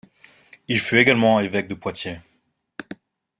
Il fut également évêque de Poitiers.